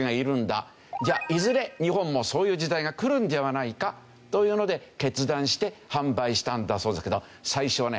じゃあいずれ日本もそういう時代が来るんではないかというので決断して販売したんだそうですけど。